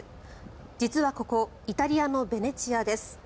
実はここイタリアのベネチアです。